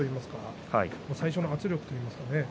力が最初の圧力といいますかね